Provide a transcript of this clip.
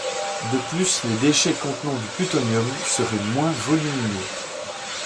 De plus les déchets contenant du plutonium seraient moins volumineux.